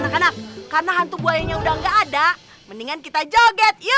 anak anak karena hantu buayanya udah gak ada mendingan kita joget ya